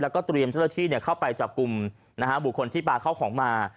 แล้วก็เตรียมเจ้าหน้าที่เข้าไปจับกลุ่มบุคคลที่ปลาเข้าของมา